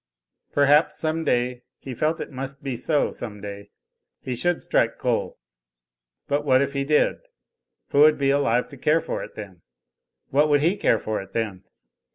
Perhaps some day he felt it must be so some day he should strike coal. But what if he did? Who would be alive to care for it then? What would he care for it then?